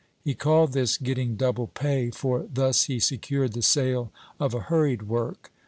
He called this getting double pay, for thus he secured the sale of a hurried work.